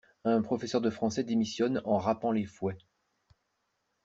Un professeur de français démissionne en rapant les fouets.